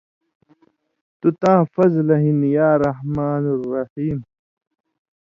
توۡ تاں فضلہ ہِن یا رحمان الرحیم